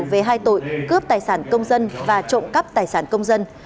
về hai tội cướp tài sản công dân và trộm cắp tài sản công dân